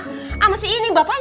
sama si ini bapaknya mau